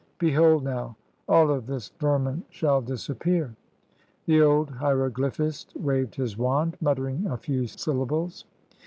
Be hold now! All of this vermin shall disappear." The old hieroglyphist waved his wand, muttering a few syllables.